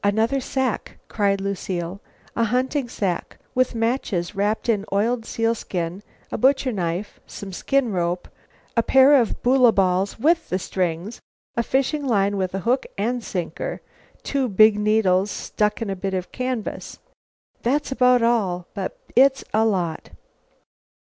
"Another sack!" cried Lucile; "a hunting sack, with matches wrapped in oiled sealskin, a butcher knife, some skin rope, a pair of boola balls with the strings, a fish line with hook and sinker; two big needles stuck in a bit of canvas. That's about all, but it's a lot."